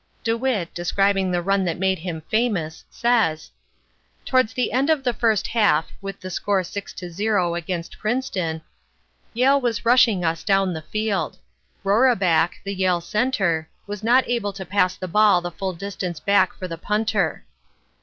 DeWitt, describing the run that made him famous, says: "Towards the end of the first half, with the score 6 to 0 against Princeton, Yale was rushing us down the field. Roraback, the Yale center, was not able to pass the ball the full distance back for the punter.